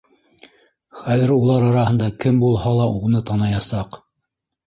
Хәҙер улар араһында кем булһа ла уны таныясаҡ.